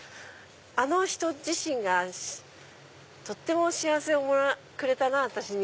あの人自身がとっても幸せをくれたな私に。